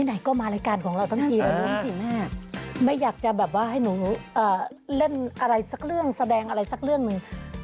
ไหนก็มารายการของเราทั้งทีแต่รู้สิแม่ไม่อยากจะแบบว่าให้หนูเล่นอะไรสักเรื่องแสดงอะไรสักเรื่องหนึ่ง